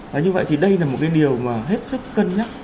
và như vậy thì đây là một cái điều mà hết sức cân nhắc